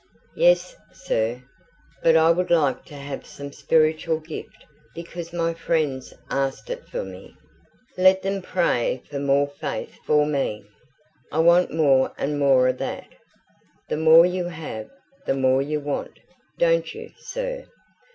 "Yes, sir; but I would like to have some spiritual gift because my friends asked it for me. Let them pray for more faith for me. I want more and more of that. The more you have, the more you want. Don't you, sir?